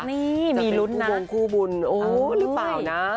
นี่มีรุ้นนะจะเป็นคู่บงคู่บุญหรือเปล่านะ